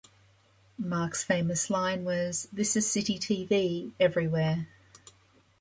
Mark's famous line was "This is Citytv, "Everywhere!".